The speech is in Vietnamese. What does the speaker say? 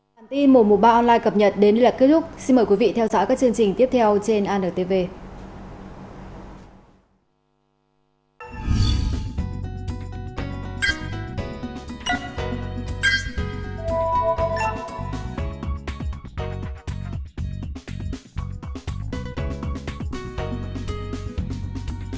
cảm ơn quý vị đã theo dõi và hẹn gặp lại